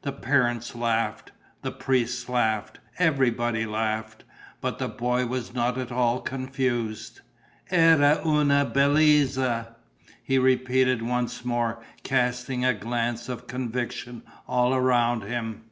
The parents laughed, the priests laughed, everybody laughed. But the boy was not at all confused: "Era una bellezza!" he repeated once more, casting a glance of conviction all around him.